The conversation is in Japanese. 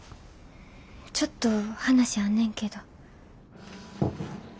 ちょっと話あんねんけど。